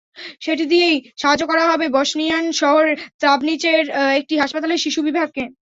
সেটি দিয়েই সাহায্য করা হবে বসনিয়ান শহর ত্রাভনিচের একটি হাসপাতালের শিশু বিভাগকে।